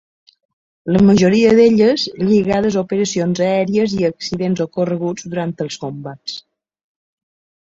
La majoria d'elles lligades a operacions aèries i a accidents ocorreguts durant els combats.